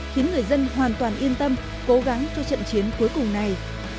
khiến người dân hoàn toàn yên tâm cố gắng cho trận chiến cuối cùng này